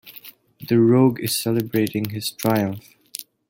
The rogue is celebrating his triumph.